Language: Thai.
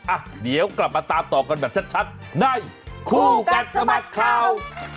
อ่ะเดี๋ยวกลับมาตามต่อกันแบบชัดในคู่กัดสะบัดข่าว